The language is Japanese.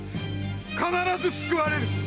必ず救われる‼